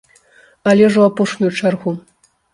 Але ж у апошнюю чаргу.